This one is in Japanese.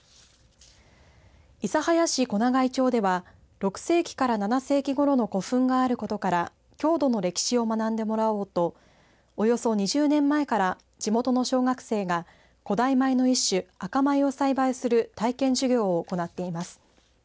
諫早市小長井町では６世紀から７世紀ごろの古墳があることから郷土の歴史を学んでもらおうとおよそ２０年前から地元の小学生が古代米の一種赤米を栽培する体験授業を行っています。